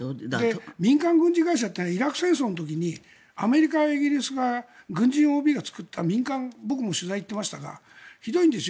民間軍事会社ってイラク戦争の時にアメリカやイギリスが軍人ＯＢが作った民間、僕も取材に行っていましたがひどいんですよ